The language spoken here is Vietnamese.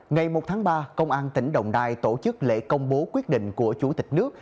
ngày một tháng ba công an tỉnh đồng nai tổ chức lễ công bố quyết định của chủ tịch nước